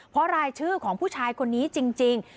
เพราะรายชื่อของผู้ชายคนนี้จริง